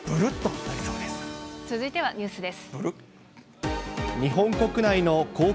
続いてはニュースです。